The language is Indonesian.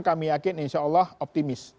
kami yakin insya allah optimis